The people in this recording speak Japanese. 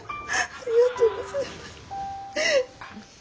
ありがとうございます。